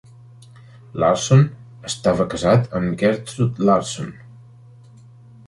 Larson estava casat amb Gertrude Larson.